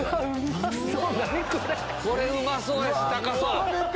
何これ⁉うまそうやし高そう！